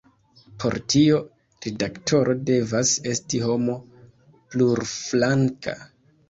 Por tio, redaktoro devas esti homo plurflanka.